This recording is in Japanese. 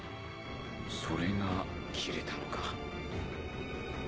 それがキレたのか。